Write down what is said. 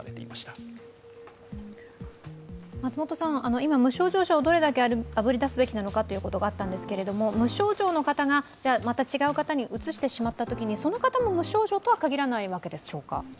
今、無症状者をどれだけあぶり出すかというのがあったんですが無症状の方が、また違う方にうつしてしまったときに、その方も無症状とは限らないわけでしょうか？